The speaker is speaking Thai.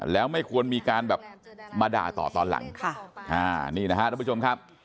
แล้วไม่ควรมีการแบบมาด่าต่อตอนหลังค่ะอ่านี่นะฮะทุกผู้ชมครับ